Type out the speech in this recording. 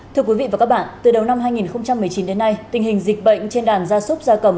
thưa quý vị và các bạn từ đầu năm hai nghìn một mươi chín đến nay tình hình dịch bệnh trên đàn gia súc gia cầm